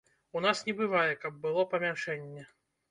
У нас не бывае, каб было памяншэнне.